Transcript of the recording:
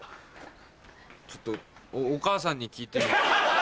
ちょっとお母さんに聞いてみないと。